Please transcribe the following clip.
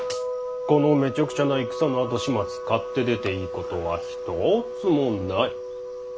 このめちゃくちゃな戦の後始末買って出ていいことは一つもない。